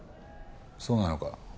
そうなのか？